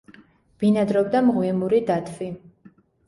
ბინადრობდა მღვიმური დათვი.